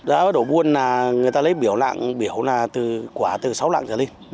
đó đổ buôn là người ta lấy biểu lạng biểu là quả từ sáu lạng trở lên